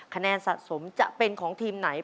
คะแนนสะสมจะเป็นของทีมไหน